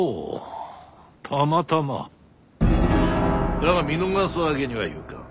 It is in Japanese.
だが見逃すわけにはいかん。